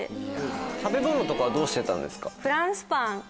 食べ物とかはどうしてたんですか？